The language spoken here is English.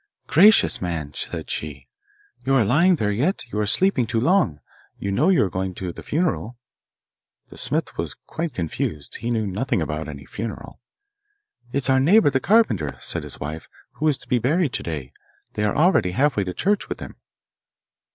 'Gracious, man,' said she, 'you are lying there yet? You are sleeping too long. You know you are going to the funeral.' The smith was quite confused; he knew nothing about any funeral. 'It's our neighbour the carpenter,' said his wife, 'who is to be buried to day. They are already half way to church with him.